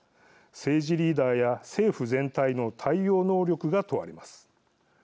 政治リーダーや政府全体の対応能力が問われます。